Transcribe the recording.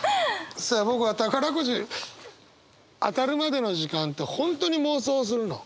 さあ僕は宝くじ当たるまでの時間って本当に妄想するの。